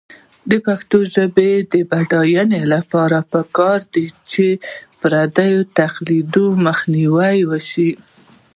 د پښتو ژبې د بډاینې لپاره پکار ده چې پردیو تقلید مخنیوی شي.